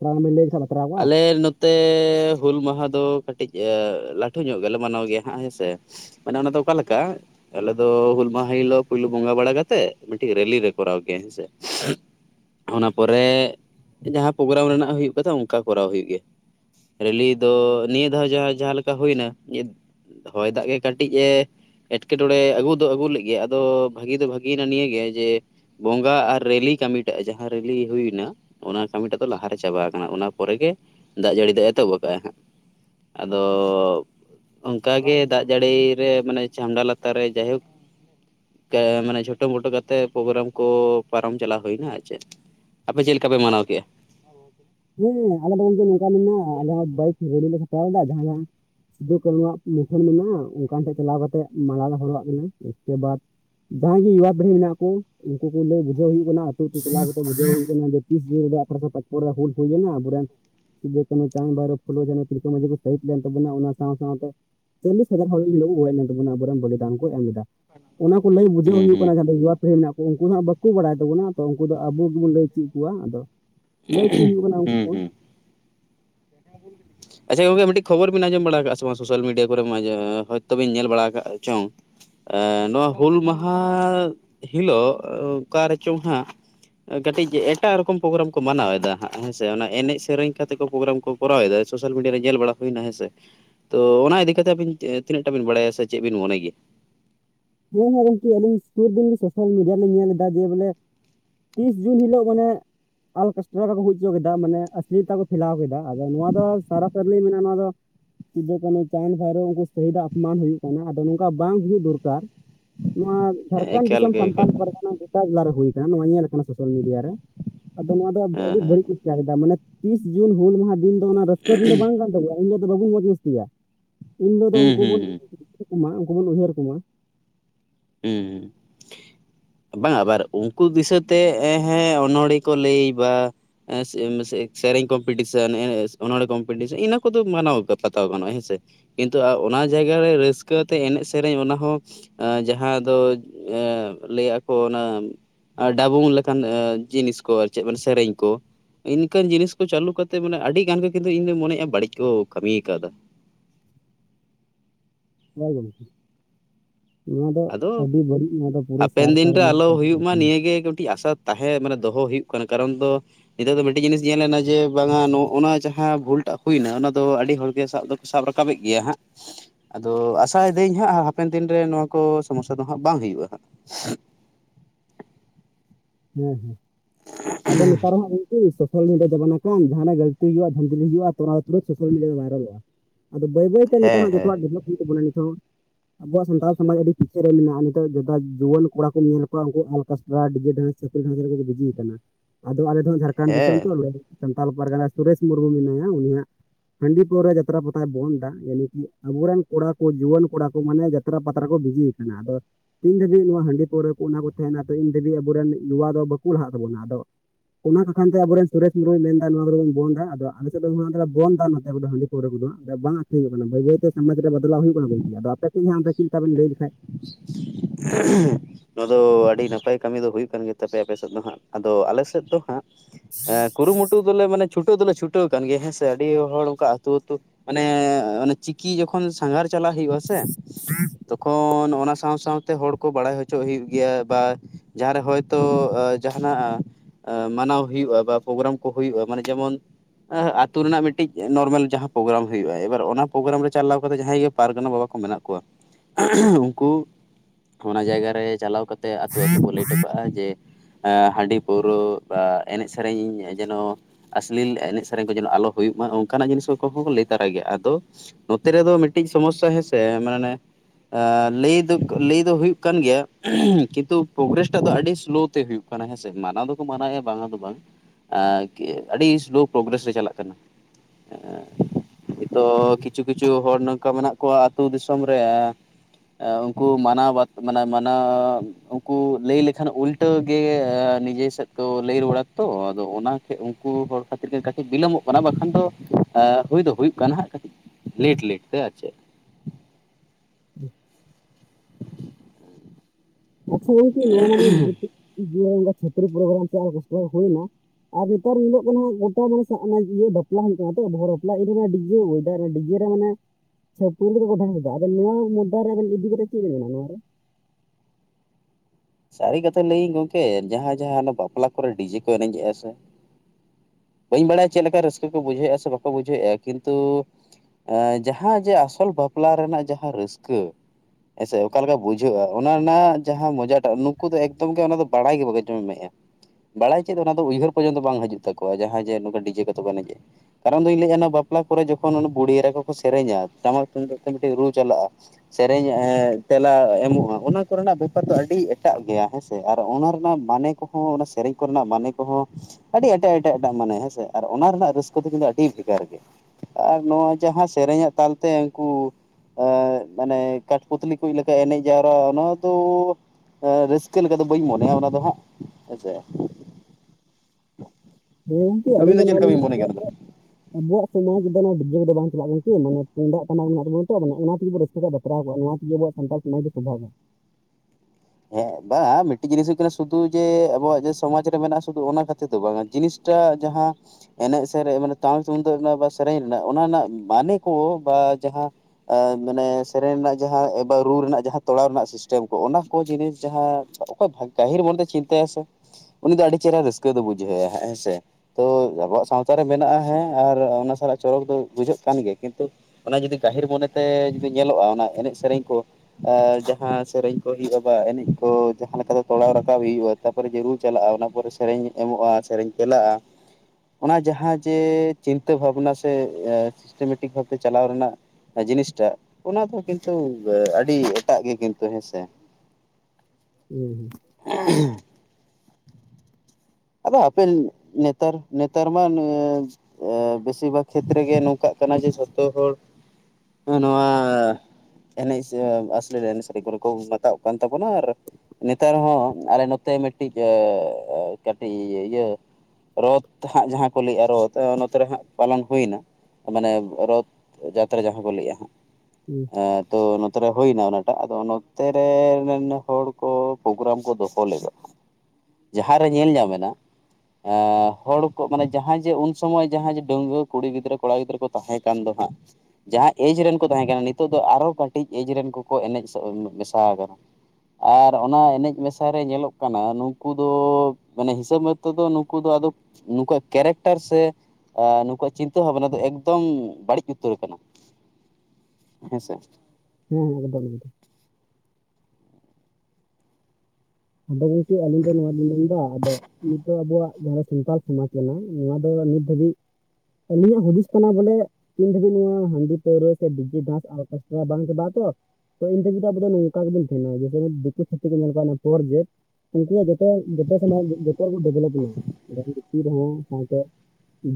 ᱛᱟᱨᱟ ᱢᱟᱱᱮ ᱞᱟᱹᱭ ᱞᱮᱠᱷᱟᱡ ᱵᱟᱛᱨᱟᱣ ᱟᱞᱮ ᱱᱚᱛ ᱛᱮᱻ ᱦᱩᱞ ᱢᱟᱦᱟ ᱫᱚ ᱠᱟᱹᱴᱤᱡ ᱮᱻ ᱞᱟᱹᱴᱷᱩ ᱧᱚᱜ ᱜᱮᱞᱮ ᱢᱟᱱᱟᱣ ᱜᱮᱭᱟ ᱦᱟᱸᱜ ᱦᱮᱸᱥᱮ? ᱢᱟᱱᱮ ᱚᱱᱟ ᱫᱚ ᱚᱠᱟ ᱞᱮᱠᱟ, ᱟᱞᱮ ᱫᱚ ᱦᱩᱞ ᱢᱟᱦᱟ ᱦᱤᱞᱳᱜ ᱯᱳᱭᱞᱳ ᱵᱚᱸᱜᱟ ᱵᱟᱲᱟ ᱠᱟᱛᱮᱜ ᱢᱤᱫᱴᱤᱡ ᱨᱮᱞᱞᱤ ᱞᱮ ᱠᱚᱨᱟᱣ ᱜᱮᱭᱟ ᱦᱮᱸᱥᱮ, ᱚᱱᱟ ᱯᱚᱨᱮ ᱡᱟᱦᱟᱸ ᱯᱚᱜᱮᱨᱟᱢ ᱨᱮᱱᱟᱜ ᱦᱩᱭᱩᱜ ᱠᱟᱛᱷᱟ ᱚᱸᱠᱟ ᱠᱚᱨᱟᱣ ᱦᱩᱭᱩᱜ ᱜᱮᱭᱟ᱾ ᱨᱮᱞᱞᱤ ᱫᱚ ᱱᱤᱭᱟᱹ ᱫᱷᱟᱣ ᱡᱟᱦᱟ ᱡᱟᱦᱟᱸ ᱞᱮᱠᱟ ᱦᱩᱭ ᱮᱱᱟ ᱱᱤᱛ ᱦᱚᱭ ᱫᱟᱜ ᱜᱮ ᱠᱟᱹᱴᱤᱡ ᱮ ᱮᱴᱠᱮ ᱴᱚᱬᱮ ᱟᱹᱜᱩ ᱫᱚ ᱟᱹᱜᱩ ᱞᱮᱜ ᱜᱮᱭᱟᱭ ᱟᱫᱚ ᱵᱷᱟᱹᱜᱤ ᱫᱚ ᱵᱷᱟᱹᱜᱤ ᱭᱮᱱᱟ ᱱᱤᱭᱟᱹ ᱜᱮ ᱡᱮ ᱵᱚᱸᱜᱟ ᱟᱨ ᱨᱮᱞᱞᱤ ᱠᱟᱹᱢᱤ ᱴᱟᱜ ᱡᱟᱦᱟᱸ ᱨᱮᱞᱤ ᱦᱩᱭ ᱮᱱᱟ, ᱚᱱᱟ ᱠᱟᱹᱢᱤ ᱴᱟᱜ ᱫᱚ ᱞᱟᱦᱟ ᱨᱮ ᱪᱟᱵᱟ ᱦᱟᱠᱟᱱᱟ, ᱚᱱᱟ ᱯᱚᱨᱮ ᱜᱮ ᱫᱟᱜ ᱡᱟᱹᱲᱤ ᱫᱚ ᱮᱛᱚᱦᱚᱵ ᱠᱟᱜ-ᱟᱭ ᱦᱟᱸᱜ, ᱟᱫᱚ ᱚᱱᱠᱟ ᱜᱮ ᱫᱟᱜ ᱡᱟᱹᱲᱤ ᱨᱮ ᱢᱟᱱᱮ ᱪᱷᱟᱢᱰᱟ ᱞᱟᱛᱟᱨ ᱨᱮ ᱡᱟᱭᱦᱩᱠ ᱠᱟ ᱢᱟᱱᱮ ᱪᱷᱳᱴᱳ ᱢᱳᱴᱳ ᱠᱟᱛᱮ ᱯᱚᱜᱮᱨᱟᱢ ᱠᱚ ᱯᱟᱨᱚᱢ ᱪᱟᱞᱟᱣ ᱦᱩᱭ ᱮᱱᱟ ᱟᱨ ᱪᱮᱫ? ᱟᱯᱮ ᱪᱮᱫ ᱞᱮᱠᱟ ᱯᱮ ᱢᱟᱱᱟᱣ ᱠᱮᱜ-ᱟ? ᱦᱮᱸ ᱟᱞᱮ ᱫᱚ ᱜᱚᱝᱠᱮ ᱱᱚᱝᱠᱟ ᱢᱮᱱᱟᱜ-ᱟ ᱟᱞᱮ ᱦᱚᱸ ᱵᱟᱭᱤᱠ ᱨᱮᱞᱤ ᱞᱮ ᱦᱟᱛᱟᱣ ᱞᱮᱫᱟ ᱡᱟᱦᱟᱸᱭ ᱡᱟᱦᱟᱸ ᱥᱤᱫᱩ ᱠᱟᱹᱱᱩᱣᱟᱜ ᱢᱩᱴᱷᱟᱹᱱ ᱢᱮᱱᱟᱜ-ᱟ ᱚᱱᱠᱟᱱ ᱴᱷᱮᱱ ᱪᱟᱞᱟᱣ ᱠᱟᱛᱮᱫ ᱢᱟᱞᱟ ᱞᱮ ᱦᱚᱨᱚᱜ-ᱟᱜ ᱠᱤᱱᱟ ᱩᱥᱠᱮ ᱵᱟᱫᱽ ᱡᱟᱦᱟᱸᱭ ᱜᱮ ᱤᱵᱟᱫᱷ <unintelligible> ᱨᱮ ᱢᱮᱱᱟᱜ ᱠᱩ ᱩᱱᱠᱩ ᱠᱚ ᱞᱟᱹᱭ ᱵᱩᱡᱷᱟᱹᱣ ᱦᱩᱭᱩᱜ ᱠᱟᱱᱟ ᱟᱹᱛᱩ ᱟᱹᱛᱩ ᱪᱟᱞᱟᱣ ᱠᱟᱛᱮ ᱵᱩᱡᱷᱟᱹᱣ ᱦᱩᱭᱩᱜ ᱠᱟᱱᱟ ᱡᱮ ᱛᱤᱥ ᱫᱤᱱ ᱨᱮ <unintelligible> ᱨᱮ ᱦᱩᱞ ᱦᱩᱭ ᱞᱮᱱᱟ ᱟᱵᱚ ᱨᱮᱱ- ᱥᱤᱫᱩ, ᱠᱟᱹᱱᱩ, ᱪᱟᱸᱫᱽ, ᱵᱷᱟᱭᱨᱚᱵ, ᱯᱷᱩᱞᱚ, ᱡᱷᱟᱱᱳ, ᱛᱤᱞᱠᱟᱹ ᱢᱟᱺᱡᱷᱤ ᱠᱚ ᱥᱟᱹᱦᱤᱛ ᱞᱮᱱ ᱛᱟᱵᱚᱱᱟ ᱚᱱᱟ ᱥᱟᱶ ᱥᱟᱶᱛᱮ- ᱪᱚᱞᱞᱤᱥ ᱦᱟᱡᱟᱨ ᱦᱚᱲ ᱮᱱ ᱦᱤᱞᱳᱜ ᱠᱚ ᱜᱚᱡ ᱞᱮᱱ ᱛᱟᱵᱚᱱᱟ ᱟᱵᱚᱨᱮᱱ ᱵᱚᱞᱤᱫᱟᱱ ᱠᱚ ᱮᱢ ᱞᱮᱫᱟ, ᱚᱱᱟ ᱠᱚ ᱞᱟᱹᱭ ᱵᱩᱡᱷᱟᱹᱣ ᱦᱩᱸ ᱦᱩᱭᱩᱜ ᱦᱩᱸ ᱠᱟᱱᱟ ᱡᱟᱦᱟᱸ ᱫᱚ ᱢᱮᱱᱟᱜ ᱠᱚᱣᱟ ᱩᱱᱠᱩ ᱦᱟᱸᱜ ᱵᱟᱠᱚ ᱵᱟᱲᱟᱭ ᱛᱟᱵᱚᱱᱟ᱾ ᱛᱚ ᱩᱱᱠᱩ ᱫᱚ ᱟᱵᱚ ᱜᱮᱵᱚᱱ ᱞᱟᱹᱭ ᱪᱮᱫ ᱠᱚᱣᱟ ᱟᱫᱚ ᱪᱮ ᱦᱩᱭᱩᱜ ᱠᱟᱱᱟ ᱦᱩᱸ <unintelligible> ᱦᱩᱸ ᱟᱪᱪᱷᱟ ᱜᱚᱝᱠᱮ ᱢᱤᱫᱴᱤᱡ ᱠᱷᱚᱵᱚᱨ ᱵᱤᱱ ᱟᱸᱡᱚᱢ ᱵᱟᱲᱟ ᱠᱟᱜ-ᱟ ᱥᱮ ᱵᱟᱝ ᱥᱳᱥᱟᱞ ᱢᱤᱰᱤᱭᱟ ᱠᱚᱨᱮ ᱢᱟ ᱦᱚᱭ ᱛᱚ ᱵᱤᱱ ᱧᱮᱞ ᱵᱟᱲᱟ ᱠᱟᱜ-ᱟ ᱪᱚᱝ ᱮᱸ ᱱᱚᱣᱟ ᱦᱩᱞ ᱢᱟᱦᱟ ᱦᱤᱞᱚᱜ ᱚᱠᱟ ᱨᱮᱪᱚᱝ ᱦᱟᱸᱜ ᱠᱟᱹᱴᱤᱡ ᱮᱴᱟᱜ ᱨᱚᱠᱚᱢ ᱯᱚᱜᱚᱨᱟᱢ ᱠᱚ ᱢᱟᱱᱟᱣ ᱮᱫᱟ ᱦᱟᱸᱜ ᱦᱮᱸᱥᱮ ᱚᱱᱟ ᱮᱱᱮᱡ, ᱥᱮᱨᱮᱧ ᱠᱟᱛᱮ ᱠᱚ ᱯᱳᱜᱚᱨᱟᱢ ᱠᱚᱨᱟᱣ ᱮᱫᱟ, ᱥᱳᱥᱟᱞ ᱢᱤᱰᱤᱭᱟ ᱨᱮ ᱧᱮᱞ ᱵᱟᱲᱟ ᱦᱩᱭᱱᱟ ᱦᱮᱸ ᱥᱮ᱾ ᱛᱚ ᱚᱱᱟ ᱤᱫᱤ ᱠᱟᱛᱮ ᱟᱵᱤᱱ ᱛᱤᱱᱟᱹᱜ ᱴᱟᱜ ᱵᱤᱱ ᱵᱟᱲᱟᱭᱟ ᱥᱮ ᱪᱮᱫ ᱵᱤᱱ ᱢᱚᱱᱮ ᱜᱮᱭᱟ? ᱦᱮᱸ ᱢᱟ ᱜᱚᱝᱠᱮ ᱟᱞᱤᱧ ᱥᱩᱨᱫᱤᱱ ᱜᱮ ᱥᱳᱥᱟᱞ ᱢᱤᱰᱤᱭᱟ ᱨᱮᱞᱤᱧ ᱧᱮᱞ ᱮᱫᱟ ᱡᱮ ᱵᱚᱞᱮ ᱛᱤᱥ ᱡᱩᱱ ᱦᱤᱞᱚᱜ ᱢᱟᱱᱮ ᱟᱞᱠᱟᱹᱥᱴᱨᱟ ᱫᱚ ᱠᱚ ᱦᱩᱭ ᱦᱚᱪᱚ ᱠᱮᱫᱟ ᱢᱟᱱᱮ ᱟᱥᱨᱤᱛᱟ ᱠᱚ ᱯᱷᱮᱞᱟᱣ ᱠᱮᱫᱟ, ᱟᱫᱚ ᱱᱚᱣᱟ ᱫᱚ ᱥᱟᱨᱟ ᱥᱟᱹᱨᱞᱤ ᱢᱮᱱᱟ ᱱᱚᱣᱟ ᱫᱚ ᱥᱤᱫᱩ, ᱠᱟᱹᱦᱩ ᱪᱟᱸᱫᱽ, ᱵᱷᱟᱭᱨᱳ ᱩᱱᱠᱩ ᱥᱟᱹᱦᱤᱫ ᱫᱟᱜ ᱟᱯᱢᱟᱱ ᱦᱩᱭᱩᱜ ᱠᱟᱱᱟ ᱟᱫᱚ ᱱᱚᱝᱠᱟ ᱵᱟᱝ ᱦᱩᱭᱩᱜ ᱫᱚᱨᱠᱟᱨ᱾ ᱱᱚᱣᱟ ᱡᱷᱟᱲᱠᱷᱚᱸᱰ ᱮᱠᱟᱞ ᱫᱤᱥᱚᱢ ᱜᱮ ᱥᱟᱱᱛᱟᱞ ᱮᱠᱟᱞ ᱯᱟᱨᱜᱟᱱᱟ ᱜᱚᱴᱟ ᱡᱮᱞᱟ ᱨᱮ ᱦᱩᱭ ᱟᱠᱟᱱᱟ ᱱᱚᱣᱟ ᱧᱮᱞ ᱟᱠᱟᱱᱟ ᱥᱳᱥᱟᱞ ᱢᱤᱰᱤᱭᱟ ᱨᱮ᱾ ᱟᱫᱚ ᱱᱚᱣᱟ ᱫᱚ ᱟᱹᱰᱤ ᱦᱮᱸ ᱦᱮᱸ ᱵᱟᱹᱲᱤᱡ ᱠᱚ ᱠᱚᱨᱟᱣ ᱠᱮᱫᱟ ᱢᱟᱱᱮ ᱛᱤᱨᱤᱥ ᱡᱩᱱ ᱦᱩᱞ ᱢᱟᱦᱟ ᱫᱤᱱ ᱚᱱᱟ ᱨᱟᱹᱥᱠᱟᱹ ᱫᱤᱱ ᱫᱚ ᱵᱟᱝ ᱠᱟᱱ ᱛᱟᱵᱚᱱᱟ ᱩᱱ ᱦᱤᱞᱚᱜ ᱫᱚ ᱵᱟᱵᱚᱱ ᱢᱚᱸᱡᱽ ᱢᱚᱥᱛᱤᱭᱟ ᱤᱱ ᱦᱤᱞᱚᱜ ᱫᱚ ᱦᱩᱸ ᱩᱱᱠᱩ ᱦᱩᱸ ᱵᱚᱱ ᱦᱩᱸ ᱠᱚ ᱢᱟ ᱩᱱᱠᱩ ᱵᱚᱱ ᱩᱭᱦᱟᱹᱨ ᱠᱚᱢᱟ᱾ ᱦᱩᱸ ᱵᱟᱝᱟ ᱟᱵᱟᱨ ᱩᱱᱠᱩ ᱫᱤᱥᱟᱹ ᱛᱮ ᱦᱮᱸ ᱚᱱᱚᱬᱲᱤ ᱠᱚ ᱞᱟᱹᱭ ᱵᱟ- ᱥᱮᱢ ᱥᱮ ᱥᱮᱨᱮᱧ ᱠᱚᱢᱯᱤᱴᱤᱥᱮᱱ, ᱚᱱᱚᱲᱦᱮ ᱠᱚᱢᱯᱤᱴᱤᱥᱚᱱ ᱤᱱᱟᱹ ᱠᱚᱫᱚ ᱢᱟᱱᱟᱣ ᱠᱟᱛᱮ ᱵᱟᱛᱟᱣ ᱜᱟᱱᱚᱜ-ᱟ ᱦᱮᱸ ᱥᱮ᱾ ᱠᱤᱱᱛᱩ ᱚᱱᱟ ᱡᱟᱭᱜᱟ ᱨᱮ ᱨᱟᱹᱥᱠᱟᱹ ᱛᱮ ᱮᱱᱮᱡ, ᱥᱮᱨᱮᱧ ᱚᱱᱟ ᱦᱚᱸ ᱮ ᱡᱟᱦᱟᱸ ᱦᱮᱸ ᱟᱫᱚ ᱞᱟᱹᱭ ᱟᱠᱚ ᱚᱱᱟ ᱰᱟᱵᱩᱝ ᱞᱮᱠᱟᱱ ᱡᱤᱱᱤᱥ ᱠᱚ ᱟᱨ ᱪᱮᱫ ᱢᱟᱱᱮ ᱥᱮᱨᱮᱧ ᱠᱚ, ᱤᱱᱠᱟᱱ ᱡᱤᱱᱤᱥ ᱠᱚ ᱪᱟᱹᱞᱩ ᱠᱟᱛᱮᱫ ᱢᱟᱱᱮ ᱟᱹᱰᱤ ᱜᱟᱱ ᱜᱮ ᱠᱤᱱᱛᱩ ᱤᱧ ᱫᱚᱧ ᱢᱚᱱᱮᱜ-ᱟ ᱵᱟᱹᱲᱤᱡ ᱠᱚ ᱠᱟᱹᱢᱤ ᱠᱟᱫᱟ᱾ <unintelligible> ᱱᱚᱣᱟ ᱫᱚ ᱟᱫᱚ ᱟᱹᱰᱤ ᱵᱟᱹᱲᱤᱡ ᱱᱚᱣᱟ ᱫᱚ ᱯᱩᱨᱟᱹ ᱥᱟᱨ ᱦᱟᱯᱮᱱ ᱫᱤᱱ ᱥᱟᱨ ᱨᱮ ᱢᱮᱱ ᱟᱞᱚ ᱠᱟᱛᱮ᱾ ᱦᱩᱭᱩᱜ ᱢᱟ ᱱᱤᱭᱟᱹ ᱜᱮ ᱠᱟᱹᱴᱤᱡ ᱟᱥᱟ ᱛᱟᱦᱮᱸ ᱢᱟᱱᱮ ᱫᱚᱦᱚ ᱦᱩᱭᱩᱜ ᱠᱟᱱᱟ ᱠᱟᱨᱚᱱ ᱫᱚ ᱱᱤᱛᱟᱨ ᱫᱚ ᱢᱤᱫᱴᱤᱡ ᱡᱤᱱᱤᱥ ᱧᱮᱞᱱᱟ ᱡᱮ ᱵᱟᱝᱟ ᱱᱚᱜᱱᱟ ᱡᱟᱦᱟᱸ ᱵᱷᱩᱞ ᱴᱟᱜ ᱦᱩᱭᱱᱟ ᱚᱱᱟ ᱫᱚ ᱟᱹᱰᱤ ᱦᱚᱲ ᱜᱮ ᱥᱟᱵ ᱫᱚ ᱥᱟᱵ ᱨᱟᱠᱟᱵ ᱮᱫ ᱜᱮᱭᱟ ᱦᱟᱸᱜ ᱟᱫᱚ ᱟᱥᱟᱭ ᱫᱟᱹᱧ ᱦᱟᱸᱜ ᱦᱟᱯᱮᱱ ᱫᱤᱱ ᱨᱮ ᱱᱚᱣᱟ ᱠᱚ ᱥᱚᱢᱚᱥᱟ ᱫᱚ ᱦᱟᱸᱜ ᱵᱟᱝ ᱦᱩᱭᱩᱜ-ᱟ ᱦᱟᱜ᱾ ᱦᱮᱸ ᱦᱮᱸ ᱟᱫᱚ ᱱᱮᱛᱟᱨ ᱦᱚᱸ ᱦᱟᱸᱜ ᱥᱳᱥᱟᱞ ᱢᱤᱰᱤᱭᱟ ᱡᱟᱵᱱᱟ ᱠᱷᱚᱱ ᱡᱟᱦᱟᱸ ᱱᱟᱜ ᱜᱟᱹᱞᱛᱤ ᱦᱩᱭᱩᱜ-ᱟ ᱡᱷᱟᱱ ᱡᱷᱟᱱᱤ ᱦᱩᱭᱩᱜ-ᱟ ᱛᱚ ᱚᱱᱟ ᱫᱚ ᱛᱩᱨᱩᱛ ᱥᱳᱥᱟᱞ ᱢᱤᱰᱤᱭᱟ ᱫᱚ ᱵᱷᱟᱭᱨᱟᱞᱚᱜ-ᱟ᱾ ᱟᱫᱚ ᱵᱟᱹᱭ ᱵᱟᱹᱭᱛᱮ ᱱᱮᱛᱟᱨ ᱦᱟᱸᱜ ᱦᱮᱸ ᱦᱮᱸ ᱡᱚᱛᱚᱣᱟᱜ ᱰᱮᱵᱞᱳᱵ ᱦᱩᱭᱩᱜ ᱛᱟᱵᱚᱱᱟ ᱱᱤᱛ ᱦᱚᱸ ᱟᱵᱚᱣᱟᱜ ᱥᱟᱱᱛᱟᱞ ᱥᱚᱢᱟᱡᱽ ᱟᱹᱰᱤ ᱯᱤᱪᱷᱟᱹ ᱨᱮ ᱢᱮᱱᱟᱜ-ᱟ ᱱᱤᱛᱚᱜ ᱡᱚᱫᱷᱟ ᱡᱩᱣᱟᱹᱱ ᱠᱚᱲᱟ ᱠᱚᱧ ᱧᱮᱞ ᱠᱚᱣᱟ ᱩᱱᱠᱩ ᱟᱞᱠᱟᱥᱴᱨᱟ ᱰᱤᱡᱮ ᱰᱮᱥ ᱰᱮᱱᱥ ᱪᱟᱹᱠᱨᱤ ᱦᱟᱛ ᱨᱮᱠᱚ ᱵᱤᱡᱤ ᱟᱠᱟᱱᱟ᱾ ᱟᱫᱚ ᱟᱞᱮ ᱫᱚ ᱡᱷᱟᱲᱠᱷᱟᱸᱰ ᱫᱤᱥᱚᱢ ᱛᱚ ᱦᱮᱸ ᱥᱟᱱᱛᱟᱞ ᱯᱟᱨᱜᱟᱱᱟ ᱥᱩᱨᱮᱥ ᱢᱩᱨᱢᱩ ᱢᱮᱱᱟᱭᱟ ᱩᱱᱤᱭᱟᱜ ᱦᱟᱺᱰᱤ, ᱯᱟᱹᱣᱨᱟᱹ ᱡᱟᱛᱨᱟ, ᱯᱟᱛᱟᱭ ᱵᱚᱱᱫᱟ ᱡᱟᱱᱤᱠᱤ ᱟᱵᱚᱨᱮᱱ ᱠᱚᱲᱟ ᱠᱚ ᱡᱩᱣᱟᱹᱱ ᱠᱚᱲᱟ ᱠᱚ ᱢᱟᱱᱮ ᱡᱟᱛᱨᱟ, ᱯᱟᱛᱟ ᱠᱚ ᱵᱤᱡᱤ ᱠᱟᱱᱟ ᱟᱫᱚ ᱛᱤᱱ ᱫᱷᱟᱹᱵᱤᱡ ᱱᱚᱣᱟ ᱦᱟᱺᱰᱤ, ᱯᱟᱹᱣᱨᱟᱹ ᱚᱱᱟ ᱠᱚ ᱛᱟᱦᱮᱱᱟ ᱛᱚ ᱤᱱ ᱫᱟᱹᱵᱤᱡ ᱟᱵᱚ ᱨᱮᱱ ᱞᱚᱣᱟ ᱫᱚ ᱵᱟᱠᱚ ᱞᱟᱦᱟᱜ ᱛᱟᱵᱚᱱᱟ ᱟᱫᱚ ᱚᱱᱟ ᱠᱷᱟᱱ ᱛᱮ ᱟᱵᱚᱨᱮᱱ ᱥᱩᱨᱮᱥ ᱢᱩᱨᱢᱩᱭ ᱢᱮᱱ ᱮᱫᱟ ᱱᱚᱣᱟ ᱠᱚᱫᱚ ᱵᱚᱱ ᱵᱚᱱᱫᱟ᱾ ᱟᱫᱚ ᱟᱞᱮ ᱥᱮᱫ ᱫᱚ ᱦᱟᱸᱜ ᱛᱟᱦᱞᱮ ᱵᱚᱱᱫᱟ ᱚᱱᱟᱛᱮ ᱟᱵᱚ ᱦᱟᱺᱰᱤ ᱯᱟᱹᱨᱣᱟᱹ ᱠᱚᱫᱚ ᱦᱟᱜ ᱵᱟᱝ ᱟᱠᱷᱨᱤᱧ ᱧᱚᱜ ᱠᱟᱱᱟ ᱠᱟᱱᱟ ᱵᱟᱹᱭ ᱵᱟᱹᱭᱛᱮ ᱥᱚᱢᱟᱡᱽ ᱨᱮ ᱵᱚᱫᱞᱟᱣ ᱦᱩᱭᱩᱜ ᱠᱟᱱᱟ ᱟᱫᱚ ᱟᱯᱮ ᱥᱮᱫ ᱜᱮ ᱦᱟᱜ ᱵᱮᱱ ᱞᱟᱹᱭ ᱞᱮᱠᱷᱟᱱᱡ? <unintelligible> ᱱᱚᱣᱟ ᱫᱚ ᱟᱹᱰᱤ ᱱᱟᱯᱟᱭ ᱠᱟᱹᱢᱤ ᱫᱚ ᱦᱩᱭᱩᱜ ᱠᱟᱱ ᱜᱮ ᱛᱟᱯᱮᱭᱟ ᱟᱯᱮ ᱥᱮᱫ ᱫᱚ ᱦᱟᱸᱜ ᱟᱫᱚ ᱟᱞᱮ ᱥᱮᱫ ᱫᱚ ᱦᱟᱸᱜ ᱠᱩᱨᱩ ᱢᱩᱴᱩ ᱫᱚᱞᱮ ᱢᱟᱱᱮ ᱪᱷᱩᱴᱟᱹᱣ ᱫᱚᱞᱮ ᱪᱷᱩᱴᱟᱹᱣ ᱠᱟᱱ ᱜᱮ ᱦᱮᱸ ᱥᱮ ᱟᱹᱰᱤ ᱦᱚᱲ ᱚᱱᱠᱟ ᱟᱹᱛᱩ ᱟᱹᱛᱩ ᱢᱟᱱᱮ ᱚᱱᱮ ᱪᱤᱠᱤ ᱡᱚᱠᱷᱚᱱ ᱥᱟᱸᱜᱷᱟᱨ ᱪᱟᱞᱟᱜ ᱦᱩᱭᱩᱜᱼᱟ ᱥᱮ ᱛᱚᱠᱷᱚᱱ ᱱᱚᱜ ᱱᱟ ᱥᱟᱶ ᱥᱟᱶ ᱛᱮ ᱦᱚᱲ ᱠᱚ ᱵᱟᱲᱟᱭ ᱦᱚᱪᱚ ᱦᱩᱭᱩᱜ ᱜᱮᱭᱟ ᱵᱟ ᱡᱟᱦᱟᱸ ᱨᱮ ᱦᱚᱭ ᱛᱚ ᱡᱟᱦᱟ ᱱᱟᱜ ᱢᱟᱱᱟᱣ ᱦᱩᱭᱩᱜᱼᱟ ᱵᱟ ᱯᱚᱜᱨᱟᱢ ᱠᱚ ᱦᱩᱭᱩᱜᱼᱟ ᱢᱟᱱᱮ ᱡᱮᱢᱚᱱ ᱟᱹᱛᱩ ᱨᱮᱱᱟᱜ ᱢᱤᱫᱴᱤᱡ ᱱᱚᱨᱢᱮᱞ ᱡᱟᱦᱟᱸ ᱯᱨᱳᱜᱨᱟᱢ ᱦᱩᱭᱩᱜᱼᱟ ᱮᱵᱟᱨ ᱚᱱᱟ ᱯᱨᱳᱜᱨᱟᱢ ᱨᱮ ᱪᱟᱞᱟᱣ ᱠᱟᱛᱮ ᱡᱟᱦᱟᱸᱭ ᱯᱟᱨᱜᱟᱱᱟ ᱵᱟᱵᱟ ᱠᱚ ᱢᱮᱱᱟᱜ ᱠᱚᱣᱟ᱾ ᱩᱱᱠᱩ ᱚᱱᱟ ᱡᱟᱭᱜᱟ ᱨᱮ ᱪᱟᱞᱟᱣ ᱠᱟᱛᱮ ᱟᱹᱛᱩ ᱟᱹᱛᱩ ᱠᱚ ᱞᱟᱹᱭ ᱦᱚᱴᱚ ᱠᱟᱜᱼᱟ ᱡᱮ ᱦᱟᱺᱰᱤ ᱯᱟᱹᱣᱨᱟᱹ ᱵᱟ ᱮᱱᱮᱡ ᱥᱮᱨᱮᱧ ᱤᱧ ᱡᱮᱱᱚ ᱟᱹᱥᱞᱤᱞ ᱮᱱᱮᱡ ᱥᱮᱨᱮᱧ ᱠᱚ ᱡᱮᱱᱚ ᱟᱞᱚ ᱦᱩᱭᱩᱜ ᱢᱟ ᱚᱱᱠᱟᱱᱟᱜ ᱡᱤᱱᱤᱥ ᱠᱚ ᱠᱚᱦᱚᱸ ᱠᱚ ᱞᱟᱹᱭ ᱛᱚᱨᱟᱭ ᱜᱮᱭᱟ ᱟᱫᱚ᱾ ᱱᱚᱛᱮ ᱨᱮᱫᱚ ᱢᱤᱫᱴᱤᱡ ᱥᱚᱢᱚᱥᱟ ᱦᱮᱸᱥᱮ ᱢᱟᱱᱮ ᱮᱼᱼ ᱞᱟᱹᱭ ᱫᱚ ᱞᱟᱹᱭ ᱫᱚ ᱦᱩᱭᱩᱜ ᱠᱟᱱ ᱜᱮᱭᱟ ᱠᱤᱱᱛᱩ ᱯᱨᱳᱜᱨᱮᱥ ᱴᱟᱜ ᱫᱚ ᱟᱹᱰᱤ ᱥᱞᱳ ᱛᱮ ᱦᱩᱭᱩᱜ᱾ ᱠᱟᱱᱟ ᱦᱮᱸᱥᱮ ᱢᱟᱱᱟᱣ ᱫᱚᱠᱚ ᱢᱟᱱᱟᱣᱮᱫᱼᱟ ᱵᱟᱝᱼᱟ ᱫᱚ ᱵᱟᱝ᱾ ᱟ ᱠᱤ ᱟᱹᱰᱤ ᱥᱞᱳ ᱯᱨᱳᱜᱨᱮᱥ ᱨᱮ ᱪᱟᱞᱟᱜ ᱠᱟᱱᱟ᱾ <unintelligible> ᱱᱤᱛᱚᱜ ᱠᱤᱪᱷᱩ ᱠᱤᱪᱷᱩ ᱦᱚᱲ ᱱᱚᱝᱠᱟ ᱢᱮᱱᱟᱜ ᱠᱚᱣᱟ ᱟᱹᱛᱩ ᱫᱤᱥᱚᱢ ᱨᱮ᱾ ᱩᱱᱠᱩ ᱢᱟᱱᱟᱣ ᱵᱟᱛ ᱢᱟᱱᱮ ᱢᱟᱱᱟᱣ ᱩᱱᱠᱩ ᱞᱟᱹᱭ ᱞᱮᱠᱷᱟᱱ ᱩᱞᱴᱟᱹ ᱜᱮ ᱱᱤᱡᱮ ᱥᱮᱫ ᱠᱚ ᱞᱟᱹᱭ ᱨᱩᱣᱟᱹᱲᱟ ᱛᱚ ᱟᱫᱚ ᱚᱱᱟ᱾ ᱩᱱᱠᱩ ᱦᱚᱲ ᱠᱷᱟᱹᱛᱤᱨ ᱜᱮ ᱠᱟᱹᱴᱤᱡ ᱵᱤᱞᱚᱢᱚᱜ ᱠᱟᱱᱟ ᱵᱟᱠᱷᱟᱱ ᱫᱚ ᱦᱩᱭ ᱫᱚ ᱦᱩᱭᱩᱜ ᱠᱟᱱᱟ ᱦᱟᱸᱜ ᱠᱟᱹᱴᱤᱡ᱾ ᱞᱮᱴ ᱞᱮᱴ ᱛᱮ ᱟᱪᱮ <unintelligible> ᱟᱪᱪᱷᱟ ᱜᱚᱝᱠᱮ ᱱᱚ ᱱᱚᱣᱟ <unintelligible> ᱯᱨᱳᱜᱨᱟᱢ <unintelligible> ᱦᱩᱭᱮᱱᱟ ᱟᱨ ᱱᱮᱛᱟᱨ ᱧᱮᱞᱚᱜ ᱠᱟᱱᱟ ᱜᱚᱴᱟ ᱢᱟᱱᱮ ᱤᱭᱟᱹ ᱵᱟᱯᱞᱟ ᱦᱩᱭᱩᱜ ᱠᱟᱱᱟ <inaudible> ᱰᱤᱡᱮ <inaudible> ᱰᱤᱡᱮ ᱨᱮ ᱢᱟᱱᱮ ᱪᱷᱟᱯᱨᱤ ᱰᱮᱨ ᱫᱟ ᱱᱚᱣᱟ ᱢᱩᱜᱫᱟ ᱨᱮ ᱟᱵᱮᱱ ᱪᱮ <unintelligible> ᱥᱟᱹᱨᱤ ᱠᱟᱛᱷᱟ ᱞᱟᱹᱭᱟᱹᱧ ᱜᱚᱝᱠᱮ ᱡᱟᱦᱟᱸ ᱡᱟᱦᱟᱸ ᱵᱟᱯᱞᱟ ᱠᱚᱨᱮ ᱰᱤᱡᱮ ᱠᱚ ᱮᱱᱮᱡᱮᱜᱼᱟ ᱥᱮ᱾ ᱵᱟᱹᱧ ᱵᱟᱲᱟᱭᱟ ᱪᱮᱫ ᱞᱮᱠᱟ ᱨᱟᱹᱥᱠᱟᱹ ᱠᱚ ᱵᱩᱡᱷᱟᱹᱣᱮᱫᱼᱟ ᱥᱮ ᱵᱟᱠᱚᱩᱡᱷᱣᱼᱟ ᱠᱤᱱᱛᱩ᱾ ᱡᱟᱦᱟᱸ ᱡᱮ ᱟᱥᱚᱞ ᱵᱟᱯᱞᱟ ᱨᱮᱱᱟᱜ ᱡᱟᱦᱟᱸ ᱨᱟᱹᱥᱠᱟᱹ᱾ ᱦᱮᱸᱥᱮ ᱚᱠᱟ ᱞᱮᱠᱟ ᱵᱩᱡᱷᱟᱹᱜᱼᱟ ᱚᱱᱟ ᱨᱮᱱᱟᱜᱟᱸ ᱢᱚᱡᱟ᱾ ᱱᱩᱠᱩ ᱫᱚ ᱮᱠᱫᱚᱢ ᱜᱮ ᱚᱱᱟ ᱫᱚ ᱵᱟᱲᱟᱭ ᱜᱮ ᱵᱟᱠᱚ ᱟᱡᱚᱢᱮᱫᱼᱟ᱾ ᱵᱟᱲᱟᱭ ᱪᱮᱫ ᱫᱚ ᱚᱱᱟ ᱫᱚ ᱩᱭᱦᱟᱹᱨ ᱯᱚᱨᱡᱚᱱᱛ ᱵᱟᱝ ᱦᱤᱡᱩᱜ ᱛᱟᱠᱚᱣᱟ ᱡᱟᱦᱟᱸᱭ ᱡᱮ ᱱᱚᱝᱠᱟ ᱰᱤᱡᱮ ᱠᱟᱛᱮ ᱠᱚ ᱮᱱᱮᱡ᱾ ᱠᱟᱨᱚᱱ ᱫᱚᱧ ᱞᱟᱹᱭᱮᱫᱼᱟ ᱚᱱᱟ ᱵᱟᱯᱞᱟ ᱠᱚᱨᱮ ᱡᱚᱠᱷᱚᱱ ᱵᱩᱦᱲᱤ ᱮᱨᱟ ᱠᱚᱠᱚ ᱥᱮᱨᱮᱧᱟ ᱴᱟᱢᱟᱠ ᱛᱩᱢᱫᱟᱹᱜ ᱛᱮ ᱢᱤᱫᱴᱮ ᱨᱩ ᱪᱟᱞᱟᱜᱼᱟ ᱥᱮᱨᱮᱧᱚᱜᱼᱟ ᱛᱮᱞᱟ ᱮᱢᱚᱜᱼᱟ ᱚᱱᱟ ᱠᱚᱨᱮᱱᱟᱜ ᱵᱮᱯᱟᱨ ᱫᱚ ᱟᱹᱰᱤ᱾ ᱮᱴᱟᱜ ᱜᱮᱭᱟ ᱦᱮᱸᱥᱮ ᱟᱨ ᱚᱱᱟ ᱨᱮᱱᱟᱜ ᱢᱟᱱᱮ ᱠᱚᱦᱚᱸ ᱚᱱᱟ ᱥᱮᱨᱮᱧ ᱠᱚᱨᱮᱱᱟᱜ ᱢᱟᱱᱮ ᱠᱚᱦᱚᱸ᱾ ᱟᱹᱰᱤ ᱮᱴᱮᱜ ᱮᱴᱮᱜ ᱮᱴᱟᱜ ᱢᱟᱱᱮ ᱦᱮᱸᱥᱮ ᱟᱨ ᱚᱱᱟ ᱨᱮᱱᱟᱜ ᱨᱟᱹᱥᱠᱟᱹ ᱫᱚ ᱠᱤᱱᱛᱩ ᱟᱹᱰᱤ ᱵᱷᱮᱜᱟᱨ ᱜᱮ᱾ ᱟᱨ ᱱᱚᱣᱟ ᱡᱟᱦᱟᱸ ᱥᱮᱨᱮᱧᱟᱜ ᱛᱟᱞᱛᱮ ᱩᱱᱠᱩ᱾ ᱮ ᱢᱟᱱᱮ ᱠᱟᱴ ᱯᱚᱛᱞᱤ ᱠᱚ ᱞᱮᱠᱟ ᱮᱱᱮᱡ ᱡᱟᱣᱨᱟ ᱚᱱᱟ ᱫᱚ᱾ ᱨᱟᱹᱥᱠᱟᱹ ᱞᱮᱠᱟ ᱫᱚ ᱵᱟᱹᱧ ᱢᱚᱱᱮᱭᱟ ᱚᱱᱟ ᱫᱚ ᱦᱟᱸᱜ ᱦᱮᱸᱥᱮ᱾ ᱦᱮᱸ ᱜᱚᱝᱠᱮ ᱟᱹᱞᱤᱧ ᱟᱹᱵᱤᱱ ᱫᱚ ᱪᱮᱫ ᱱᱚᱣᱟ ᱞᱮᱠᱟ ᱞᱤᱧ ᱵᱤᱱ ᱢᱚᱱᱮ ᱜᱮᱭᱟ ᱢᱮᱱᱮᱫ ᱚᱱᱟ ᱫᱚ ᱟᱵᱚᱣᱟᱜ ᱥᱚᱢᱟᱡ ᱫᱚ ᱰᱤᱡᱮ ᱠᱚᱫᱚ ᱵᱟᱝ ᱪᱟᱞᱟᱝᱼᱟ ᱜᱚᱝᱠᱮ ᱢᱟᱱᱮ ᱛᱩᱝᱫᱟᱹᱜ ᱴᱟᱢᱟᱠ ᱡᱮᱱᱟᱜ ᱛᱟᱰᱚᱱᱚ ᱚᱱᱟ ᱛᱮᱜᱮᱵᱚᱱ ᱨᱟᱹᱥᱼᱼ ᱵᱟᱨᱟᱣ ᱠᱚᱜᱼᱟ ᱱᱚᱣᱟ ᱥᱟᱱᱛᱟᱲ ᱥᱚᱢᱟᱡ ᱫᱚ ᱪᱟᱵᱟᱼᱼ ᱦᱮᱸ ᱵᱟᱝ ᱢᱤᱫᱴᱤᱡ ᱡᱤᱱᱤᱥ ᱦᱩᱭᱩᱜ ᱠᱟᱱᱟ ᱥᱩᱫᱩ ᱡᱮ ᱟᱵᱚᱣᱟᱜ ᱡᱮ ᱥᱚᱢᱟᱡ ᱨᱮ ᱢᱮᱱᱟᱜᱼᱟ ᱥᱩᱫᱷᱩ ᱚᱱᱟ ᱠᱷᱟᱹᱛᱤᱨ ᱫᱚ ᱵᱟᱝᱼᱟ ᱡᱤᱱᱤᱥ᱾ ᱮᱴᱟᱜ ᱡᱟᱦᱟᱸ ᱮᱱᱮᱡ ᱥᱮᱨᱮ ᱢᱟᱱᱮ ᱛᱟᱭᱚᱢᱥᱮᱜ ᱩᱱ ᱫᱚ ᱟᱵᱚᱣᱟᱜ ᱥᱮᱨᱮᱧ ᱨᱮᱱᱟᱜ ᱚᱱᱟ ᱨᱮᱱᱟᱜ ᱢᱟᱱᱮ ᱠᱚ ᱵᱟ ᱡᱟᱦᱟᱸ, ᱟᱸ ᱢᱟᱱᱮ ᱥᱮᱨᱮᱧ ᱨᱮᱱᱟᱜ ᱡᱟᱦᱟᱸ ᱮᱵᱟ ᱨᱩ ᱨᱮᱱᱟᱜ ᱡᱟᱦᱟᱸ ᱛᱚᱲᱟᱣ ᱨᱮᱱᱟᱜ ᱥᱤᱥᱴᱮᱢ ᱠᱚ ᱚᱱᱟ ᱠᱚ ᱡᱤᱱᱤᱥ ᱡᱟᱦᱟᱸ ᱚᱠᱟ ᱵᱷᱟᱜ ᱜᱟᱦᱤᱨ ᱢᱚᱱᱛᱮ ᱪᱤᱱᱛᱟᱹᱭ ᱟᱥᱮᱼᱼ ᱩᱱᱤ ᱫᱚ ᱟᱹᱰᱤ ᱪᱮᱦᱨᱟ ᱨᱟᱹᱥᱠᱟᱹ ᱫᱚ ᱵᱩᱡᱷᱟᱹᱣᱟᱭ ᱦᱟᱸᱜ ᱦᱮᱸ ᱥᱮ᱾ ᱛᱚ ᱟᱵᱚᱣᱟᱜ ᱥᱟᱶᱛᱟᱨᱮ ᱢᱮᱱᱟᱜᱼᱟ ᱦᱮᱸ ᱟᱨ ᱚᱱᱟ ᱥᱟᱞᱟᱜ ᱪᱚᱨᱚᱠ ᱫᱚ ᱵᱩᱡᱷᱟᱹᱜ ᱠᱟᱱ ᱜᱮᱭᱟ ᱠᱤᱱᱛᱩ, ᱚᱱᱟ ᱡᱩᱫᱤ ᱜᱟᱹᱦᱤᱨ ᱢᱚᱱᱮᱛᱮ ᱡᱩᱫᱤ ᱧᱮᱞᱚᱜᱼᱟ ᱚᱱᱟ ᱮᱱᱮᱡ ᱥᱮᱨᱮᱧ ᱠᱚ ᱮ ᱡᱟᱦᱟᱸ ᱥᱮᱨᱮᱧ ᱠᱚ ᱦᱩᱭᱩᱜᱼᱟ, ᱮᱱᱮᱡ ᱠᱚ ᱡᱟᱦᱟᱸ ᱞᱮᱠᱟᱛᱮ ᱛᱚᱲᱟᱣ ᱨᱟᱠᱟᱵᱮ ᱦᱩᱭᱩᱜᱼᱟ ᱛᱟᱯᱚᱨᱮ ᱡᱟᱹᱨᱩᱲ ᱪᱟᱞᱟᱜᱼᱟ ᱚᱱᱟ ᱯᱚᱨᱮ ᱥᱮᱨᱮᱧ ᱮᱢᱚᱜᱼᱟ ᱥᱮᱨᱮᱧ ᱪᱟᱞᱟᱜᱼᱟ ᱚᱱᱟ ᱡᱟᱦᱟᱸ ᱡᱮ ᱪᱤᱱᱛᱟᱹ ᱵᱷᱟᱵᱱᱟ ᱥᱮ ᱥᱤᱥᱴᱮᱢᱮᱴᱤᱠ ᱵᱷᱟᱵᱛᱮ ᱪᱟᱞᱟᱣ ᱨᱮᱱᱟᱜ ᱡᱤᱱᱤᱥᱴᱟᱜ ᱚᱱᱟ ᱫᱚ ᱠᱤᱱᱛᱩ ᱟᱹᱰᱤ ᱮᱴᱟᱜ ᱜᱮ ᱠᱤᱱᱛᱩ ᱦᱮᱸᱥᱮ᱾ ᱦᱩᱸ <unintelligible> ᱟᱫᱚ ᱟᱯᱮᱱ ᱱᱮᱛᱟᱨ ᱱᱮᱛᱟᱨ ᱢᱟ ᱱᱤᱭᱟᱹ, ᱮ ᱵᱮᱥᱤᱨ ᱵᱷᱟᱜᱽ ᱠᱷᱮᱛᱮᱨᱮ ᱜᱮ ᱱᱚᱝᱠᱟᱜ ᱠᱟᱱᱟ ᱡᱮ ᱡᱷᱚᱛᱚ ᱦᱚᱲ, ᱦᱮ ᱱᱚᱣᱟᱻ, ᱮᱱᱮᱡ ᱥᱮ ᱟᱥᱞᱤᱨᱮᱱ ᱥᱟᱹᱨᱤ ᱜᱚᱨᱚ ᱠᱩᱳ ᱢᱮᱛᱟᱜ ᱠᱟᱱ ᱛᱟᱵᱚᱱᱟ ᱟᱨ, ᱱᱮᱛᱟᱨ ᱦᱚᱸ ᱟᱞᱮ ᱱᱚᱛᱮ ᱢᱤᱫᱴᱤᱡ ᱮ ᱠᱟᱹᱴᱤᱡ ᱤᱭᱟᱹ, ᱨᱚᱛ ᱦᱟᱜ ᱡᱟᱦᱟ ᱠᱚ ᱞᱟᱹᱭᱮᱜᱼᱟ ᱨᱚᱛ ᱱᱚᱛᱮ ᱨᱮ ᱦᱟᱸᱜ ᱯᱟᱞᱚᱱ ᱦᱩᱭᱱᱟ᱾ ᱢᱟᱱᱮ ᱨᱚᱛ ᱡᱟᱛᱨᱟ ᱡᱟᱦᱟ ᱵᱚ ᱞᱟᱹᱭ ᱮᱼᱟ ᱦᱟᱜ᱾ ᱦᱩᱸ, ᱮᱸ ᱛᱚ ᱱᱚᱛᱮᱨᱮ ᱦᱩᱭᱱᱟ ᱚᱱᱟᱴᱟᱜ ᱟᱫᱚ ᱱᱚᱛᱮᱨᱮ ᱢᱮᱱᱮ ᱦᱚᱲ ᱠᱳ, ᱯᱨᱳᱜᱨᱟᱢ ᱠᱚ ᱫᱚᱦᱚ ᱞᱮᱫᱟ ᱡᱟᱦᱟᱸᱨᱮ ᱧᱮᱞ ᱧᱟᱢᱮᱱᱟ, ᱦᱚᱲ ᱠᱚ ᱢᱟᱱᱮ ᱡᱟᱦᱟᱸᱭ ᱡᱮ ᱩᱱ ᱥᱚᱢᱚᱭ ᱡᱟᱦᱟᱸᱭ ᱡᱮ ᱰᱟᱹᱝᱜᱩᱣᱟᱹ ᱠᱩᱲᱤ ᱜᱤᱫᱽᱨᱟᱹ ᱠᱚᱲᱟ ᱜᱤᱫᱽᱨᱟᱹ ᱠᱚ ᱛᱟᱦᱮᱸ ᱠᱟᱱ ᱫᱚ ᱦᱟᱸᱜ, ᱡᱟᱦᱟ ᱮᱡᱽ ᱨᱮᱱ ᱠᱚ ᱛᱟᱦᱮᱸ ᱠᱟᱱᱟ ᱱᱤᱛᱚᱜ ᱫᱚ ᱟᱨᱚ ᱠᱟᱹᱴᱤᱡ ᱮᱡᱽ ᱨᱮᱱ ᱠᱚᱠᱚ ᱮᱱᱮᱡ ᱢᱮᱥᱟ ᱠᱟᱱᱟ᱾ ᱟᱨ ᱚᱱᱟ ᱮᱱᱮᱡ ᱢᱮᱥᱟ ᱨᱮ ᱧᱮᱞᱚᱜ ᱠᱟᱱᱟ ᱱᱩᱝᱠᱩ ᱫᱚ, ᱢᱟᱱᱮ ᱦᱤᱥᱟᱹᱵ ᱢᱛᱚ ᱫᱚ ᱱᱩᱠᱩ ᱫᱚ ᱱᱩᱠᱩᱣᱟᱜ ᱠᱮᱨᱮᱠᱴᱟᱨ ᱥᱮ, ᱮ ᱱᱩᱠᱩᱣᱟᱜ ᱪᱤᱱᱛᱟᱹ ᱵᱷᱟᱵᱱᱟ ᱫᱚ ᱮᱠᱫᱚᱢ ᱵᱟᱹᱲᱤᱡ ᱩᱛᱟᱹᱨ ᱠᱟᱱᱟ᱾ ᱦᱮᱸ ᱥᱮ, ᱦᱮᱸᱦᱮᱸ ᱮᱠᱫᱚᱢ ᱮᱠᱫᱚᱢ ᱾ ᱟᱫᱚ ᱜᱚᱝᱠᱮ ᱟᱞᱤᱧ ᱫᱚ ᱱᱚᱣᱟ ᱞᱤᱧ ᱢᱮᱱ ᱮᱫᱟ ᱟᱫᱚ, ᱱᱤᱛᱚᱜ ᱟᱵᱚᱣᱟᱜ ᱡᱟᱦᱟᱸ ᱥᱟᱱᱛᱟᱞ ᱥᱚᱢᱟᱡᱽ ᱠᱟᱱᱟ ᱱᱚᱣᱟ ᱫᱚ ᱱᱤᱛ ᱫᱷᱟᱹᱵᱤᱡ, ᱟᱹᱞᱤᱧᱟᱜ ᱦᱩᱫᱤᱥ ᱠᱟᱱᱟ ᱵᱚᱞᱮ, ᱛᱤᱱ ᱫᱷᱟᱹᱵᱤᱡ ᱱᱚᱣᱟ ᱦᱟᱹᱰᱤ ᱯᱟᱹᱣᱨᱟᱹ ᱥᱮ ᱰᱤᱡᱤ ᱪᱟᱥ ᱟᱨ ᱚᱨᱜᱮᱥᱴᱟᱨᱟ ᱵᱟᱝ ᱪᱟᱵᱟ ᱟᱛᱚ ᱾ ᱛ ᱤᱱᱫᱷᱟᱹᱵᱡ ᱫᱚ ᱟᱵᱚ ᱱᱚᱝ ᱜᱮᱵ ᱛᱟᱦᱮᱱᱟ <unintelligible> ᱯᱚᱨ ᱜᱮᱛ ᱩᱱᱠᱩ ᱟᱜ ᱡᱚᱛᱚ ᱡᱚᱛᱚ ᱥᱚᱢᱟᱡ ᱡᱚᱛᱚ-ᱟᱜ ᱜᱮ ᱰᱮᱵᱷᱞᱚᱯ ᱱᱟ᱾ <unintelligible>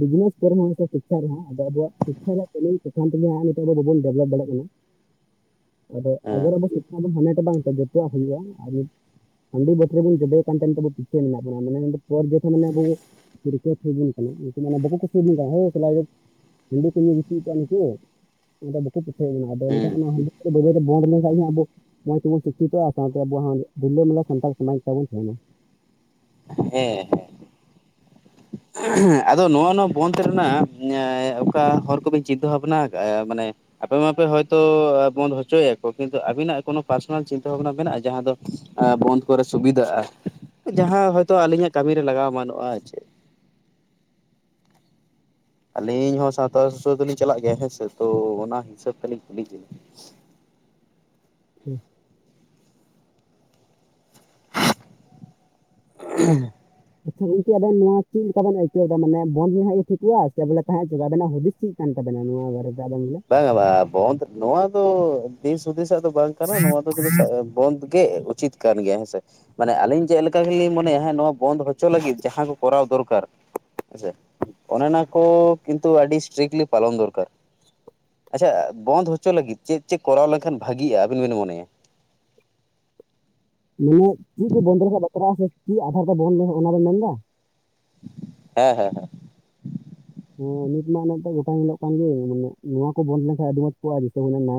ᱵᱤᱡᱽᱱᱮᱥ <unintelligible> ᱟᱫᱚ ᱟᱵᱚᱣᱟᱜ ᱤᱪᱷᱟ ᱨᱮᱭᱟᱜ <unintelligible> ᱵᱟᱵᱚᱱ ᱰᱮᱵᱷᱞᱚᱯ ᱫᱟᱲᱮᱭᱟᱜ ᱠᱟᱱᱟ᱾ ᱟᱫᱚ ᱦᱮᱸ ᱵᱟᱥ ᱤᱛᱟᱱᱟ ᱵᱚᱱ ᱦᱟᱢᱮᱴ ᱫᱟ ᱢᱮᱱᱛᱮ ᱡᱚᱛᱚᱣᱟᱜ ᱦᱩᱭᱩᱜᱼᱟ ᱦᱟᱸᱰᱤ ᱵᱟᱴᱤ ᱨᱮᱵᱚᱱ ᱡᱚᱵᱮ ᱠᱟᱱ ᱛᱮ ᱱᱤᱛᱳᱜ ᱫᱚ ᱯᱤᱪᱟᱹ ᱨᱮ ᱢᱮᱱᱟᱜ ᱵᱚᱱᱟ <unintelligible> ᱟᱵᱚ᱾ <unintelligible> <unintelligible> ᱫᱚᱠᱚ ᱯᱤᱪᱷᱟᱹ ᱠᱟᱱᱟ ᱟᱫᱚ ᱮᱱᱠᱷᱟᱱ ᱦᱮᱸ ᱚᱱᱟ ᱦᱟᱸᱰᱤ ᱵᱟᱹᱭ ᱵᱟᱹᱭ ᱛᱮ ᱵᱳᱱᱫᱷ ᱞᱮᱱᱠᱷᱟᱡ ᱟᱵᱚ ᱢᱚᱸᱡᱽ ᱛᱮᱵᱚᱱ ᱥᱤᱠᱷᱤᱛᱚᱜᱼᱟ ᱥᱟᱶᱛᱮ ᱟᱵᱚ ᱦᱟᱜ, ᱨᱤᱞᱟᱹᱢᱟᱞᱟ ᱥᱟᱱᱛᱟᱲ ᱥᱚᱢᱟᱡᱽ ᱛᱟᱵᱚᱱ ᱛᱟᱦᱮᱱᱟ᱾ ᱦᱮᱸ, ᱦᱮᱸ ᱟᱫᱚ ᱱᱚᱣᱟ ᱱᱚᱣᱟ ᱵᱚᱱᱫ ᱨᱮᱱᱟᱜ, ᱚᱠᱟ ᱦᱚᱨ ᱠᱚᱵᱤᱱ ᱪᱤᱱᱛᱟᱹ ᱵᱷᱟᱵᱱᱟ ᱠᱟᱜ ᱟ, ᱢᱟᱱᱮ ᱟᱯᱮ ᱢᱟᱯᱮ ᱦᱚᱭᱛᱚ ᱵᱚᱱᱫ ᱦᱚᱪᱚᱭᱟ ᱠᱚ, ᱠᱤᱱᱛᱩ ᱟᱵᱤᱱᱟᱜ ᱠᱚᱱᱚ ᱯᱟᱨᱥᱚᱱᱟᱞ ᱪᱤᱱᱛᱟᱹ ᱵᱷᱟᱵᱱᱟ ᱢᱮᱱᱟᱜᱼᱟ, ᱡᱟᱦᱟ ᱫᱚ ᱵᱚᱱᱫ ᱠᱚᱨᱮ ᱥᱩᱵᱤᱫᱷᱟᱜᱼᱟ, ᱡᱟᱦᱟᱸ ᱦᱚᱭᱛᱳ ᱟᱹᱞᱤᱧᱟᱜ ᱠᱟᱹᱢᱤᱨᱮ ᱞᱟᱜᱟᱣ ᱮᱢᱟᱱ ᱚᱜᱼᱟ, ᱟᱨ ᱪᱮᱫ᱾ ᱟᱹᱞᱤᱧ ᱦᱚᱸ ᱥᱟᱶᱛᱟ ᱥᱩᱥᱟᱹᱨ ᱫᱚᱞᱤᱧ ᱪᱟᱞᱟᱜ ᱜᱮᱭᱟ, ᱦᱮᱸ ᱥᱮ ᱛᱚ ᱚᱱᱟ ᱦᱤᱥᱟᱹᱵ ᱛᱮᱞᱤᱧ ᱠᱩᱞᱤᱭ ᱮᱫ ᱵᱤᱱᱟ᱾ ᱦᱩᱸ, ᱦᱮᱸ <unintelligible> <unintelligible> ᱟᱪᱪᱷᱟ ᱜᱚᱝᱠᱮ ᱟᱵᱮᱱ ᱱᱚᱣᱟ ᱪᱮᱫ ᱞᱮᱠᱟ ᱵᱮᱱ ᱟᱹᱭᱠᱟᱹᱣ ᱫᱟ, ᱢᱟᱱᱮ ᱵᱚᱱᱫ ᱦᱟᱸᱜ ᱴᱷᱤᱠᱚᱜᱼᱟ, ᱥᱮ ᱵᱚᱞᱮ ᱛᱟᱦᱮᱸ ᱦᱚᱪᱚ ᱱᱟᱜ ᱟᱵᱤᱱᱟᱜ ᱦᱩᱫᱤᱥ ᱪᱮᱫ ᱠᱟᱱ ᱛᱟᱵᱮᱱᱟ ᱱᱚᱣᱟ ᱵᱟᱨᱮᱛᱮ ᱟᱵᱮᱱ ᱵᱚᱞᱮ᱾ ᱵᱟᱝ ᱟ ᱵᱟᱝ ᱟ ᱵᱚᱱᱫᱷ ᱱᱚᱣᱟ ᱫᱚ, ᱫᱤᱥ ᱦᱩᱫᱤᱥᱟᱜ ᱫᱚ ᱵᱟᱝ ᱠᱟᱱᱟ ᱱᱚᱣᱟ ᱫᱚ᱾ ᱠᱟᱛᱮ ᱫᱚ ᱵᱚᱱᱫ ᱜᱮ ᱩᱪᱤᱛ ᱠᱟᱱ ᱜᱮᱭᱟ ᱦᱮᱸᱥᱮ᱾ ᱢᱟᱱᱮ ᱟᱹᱞᱤᱧ ᱪᱮᱫ ᱞᱮᱠᱟ ᱜᱮᱞᱤᱧ ᱢᱚᱱᱮᱭᱟ ᱦᱮᱸ, ᱱᱚᱣᱟ ᱵᱚᱱᱫᱷ ᱦᱚᱪᱚ ᱞᱟᱹᱜᱤᱫ ᱡᱟᱦᱟᱸ ᱠᱚ ᱠᱚᱨᱟᱣ ᱫᱚᱨᱠᱟᱨ᱾ ᱟᱪᱪᱷᱟ ᱚᱱᱮ ᱚᱱᱟ ᱠᱚ, ᱠᱤᱱᱛᱩ ᱟᱹᱰᱤ ᱤᱥᱴᱨᱠᱞᱤ ᱯᱟᱞᱚᱱ ᱫᱚᱨᱠᱟᱨ᱾ ᱟᱪᱪᱷᱟ ᱵᱚᱱᱫ ᱦᱚᱪᱚ ᱞᱟᱹᱜᱤᱫ, ᱪᱮᱫ ᱪᱮᱫ ᱠᱚᱨᱟᱣ ᱞᱮᱱᱠᱷᱟᱱ ᱵᱷᱟᱹᱜᱤᱜᱼᱟ, ᱟᱹᱵᱤᱱ ᱵᱤᱱ ᱢᱚᱱᱮᱭᱟ᱾ ᱢᱟᱱᱮ ᱪᱮᱫ ᱠᱚ ᱵᱚᱱᱫᱚ ᱞᱮᱠᱷᱟᱱ ᱵᱟᱛᱨᱟᱜᱼᱟ, ᱥᱮ ᱪᱮᱫ ᱟᱫᱷᱟᱨ ᱠᱚ ᱵᱚᱱᱫᱚ ᱚᱱᱟ ᱵᱮᱱ ᱢᱮᱱ ᱫᱟᱼᱼ ᱦᱮᱸ, ᱦᱮᱸ, ᱦᱮᱸ᱾ ᱦᱮᱸ ᱱᱤᱛ ᱢᱟ ᱜᱚᱴᱟ ᱧᱮᱞᱚᱜ ᱠᱟᱱ ᱜᱮ, ᱢᱟᱱᱮ ᱱᱚᱣᱟ ᱠᱚ ᱵᱚᱱᱫ ᱞᱮᱱᱠᱷᱟᱱ ᱟᱹᱰᱤ ᱢᱚᱸᱡᱽ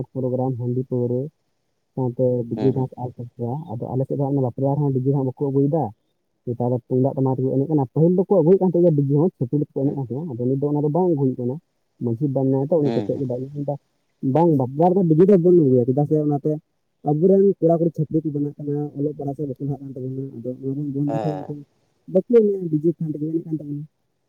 ᱠᱚᱜᱼᱟ᱾ ᱯᱨᱳᱜᱨᱟᱢ ᱦᱟᱹᱰᱤ ᱯᱟᱹᱣᱨᱟᱹ, ᱥᱟᱶᱛᱮ ᱵᱤᱡᱤ ᱦᱮᱸ ᱦᱩᱸ ᱰᱷᱟᱥ ᱟᱨ ᱜᱮᱭᱟ ᱟᱫᱚ ᱟᱞᱮ ᱥᱮᱫ ᱦᱟᱸᱜ ᱵᱟᱯᱞᱟ ᱨᱮᱦᱚᱸ ᱰᱤᱡᱮ ᱦᱚᱸ ᱵᱟᱠᱚ ᱟᱹᱜᱩᱭᱫᱟ᱾ ᱱᱮᱛᱟᱨ ᱫᱚ ᱛᱩᱢᱫᱟᱜ ᱴᱟᱢᱟᱠ ᱛᱮᱠᱚ ᱮᱱᱮᱡ ᱠᱟᱱᱟ, ᱯᱟᱦᱤᱞ ᱫᱚᱠᱚ ᱟᱹᱜᱩᱭᱮᱫ ᱛᱟᱦᱮᱸ ᱠᱟᱱᱟ ᱵᱤᱡᱮ ᱦᱚᱸ ᱾ ᱮᱱᱮᱫ ᱠᱟᱱ ᱦᱩᱸ ᱦᱩᱸ ᱛᱟᱦᱮᱸᱱᱟ ᱟᱫᱚ ᱱᱤᱫ ᱫᱚ, ᱚᱱᱟ ᱫᱚ ᱵᱟᱝ ᱟᱹᱜᱩᱭ ᱦᱩᱭᱩᱜ ᱠᱟᱱᱟ, ᱢᱟᱺᱡᱷᱤ ᱵᱟ ᱢᱮᱱᱟᱭᱟᱛᱚ ᱩᱱᱤ ᱦᱩᱸ ᱠᱟᱛᱮᱫ ᱦᱩᱸ ᱵᱟᱭ ᱟᱜᱩᱭᱫᱟ᱾ ᱵᱟᱝ ᱵᱟᱯᱞᱟ ᱨᱮ ᱫᱚ ᱰᱤᱡᱮ ᱫᱚ ᱵᱚᱱ ᱟᱹᱜᱩᱭᱟ, ᱪᱮᱫᱟᱜ ᱥᱮ ᱚᱱᱟᱛᱮ ᱟᱵᱚᱨᱮᱱ ᱠᱚᱲᱟ ᱠᱩᱲᱤ ᱪᱷᱟᱯᱨᱤ ᱠᱚ ᱵᱮᱱᱟᱜ ᱠᱟᱱᱟ, ᱚᱞᱚᱜ ᱯᱟᱲᱦᱟᱜ ᱥᱮᱫ ᱵᱟᱠᱚ ᱞᱟᱦᱟᱜ ᱠᱟᱱ ᱛᱟᱵᱚᱱᱟ, ᱟᱫᱚ <unintelligible> ᱦᱮᱸ <unintelligible> <unintelligible> <unintelligible> <unintelligible>